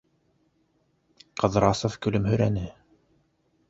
- Ҡыҙрасов көлөмһөрәне.